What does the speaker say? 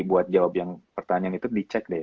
buat jawab pertanyaan itu di cek deh